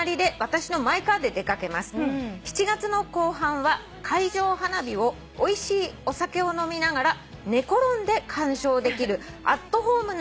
「７月の後半は海上花火をおいしいお酒を飲みながら寝転んで観賞できるアットホームな旅館に出掛けています」